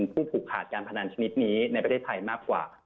ผู้ผูกขาดการพนันชนิดนี้ในประเทศไทยมากกว่า